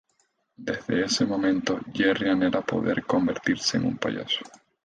Desde ese momento, Jerry anhela poder convertirse en un payaso.